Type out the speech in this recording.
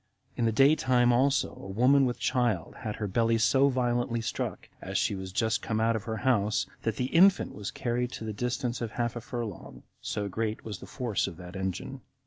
In the day time also, a woman with child had her belly so violently struck, as she was just come out of her house, that the infant was carried to the distance of half a furlong, so great was the force of that engine.